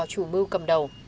chủ mưu cầm đầu